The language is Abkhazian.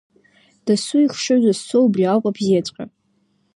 Дасу ихшыҩ зызцо убри ауп абзиаҵәҟьа.